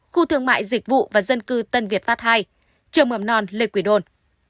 khu thương mại dịch vụ và dân cư tân việt phát hai trường mầm non lê quỷ đôn